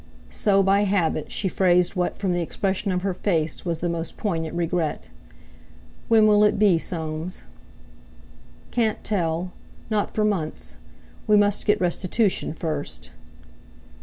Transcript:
So, by habit, she phrased what, from the expression of her face, was the most poignant regret. "When will it be, Soames?" "Can't tell—not for months. We must get restitution first."